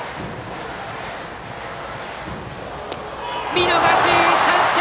見逃し三振！